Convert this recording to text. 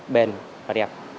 bền và đẹp